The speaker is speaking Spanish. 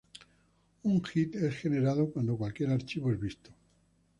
Un "hit" es generado cuando cualquier archivo es visto.